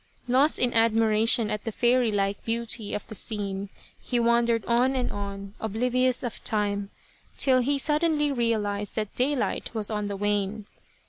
Lost in admiration at the fairylike beauty of the scene, he wandered on and on, oblivious of time, till he suddenly realized that daylight was on the wane.